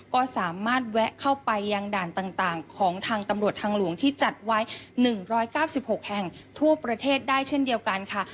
ก็สามารถแวะเข้าไปยังด่านต่างของทางตำรวจทางหลวงที่จัดไว้๑๙๖แห่งทั่วประเทศได้เช่นเดียวกันค่ะ